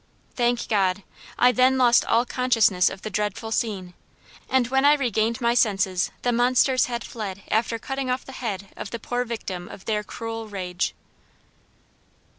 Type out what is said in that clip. "Thank God! I then lost all consciousness of the dreadful scene; and when I regained my senses the monsters had fled after cutting off the head of the poor victim of their cruel rage."